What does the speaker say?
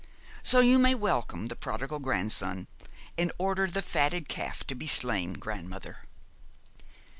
So you may welcome the prodigal grandson, and order the fatted calf to be slain, grandmother!'